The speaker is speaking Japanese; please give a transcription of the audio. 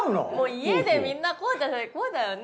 家でみんなこうじゃないこうだよね？